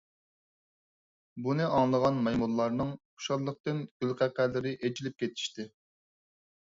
بۇنى ئاڭلىغان مايمۇنلارنىڭ خۇشاللىقتىن گۈلقەقەلىرى ئېچىلىپ كېتىشتى.